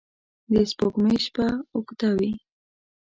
د سپوږمۍ شپه اوږده وي